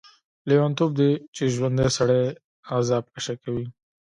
لیونتوب دی چې ژوندی سړی عذاب کشه کوي.